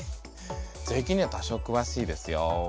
税金には多少くわしいですよ。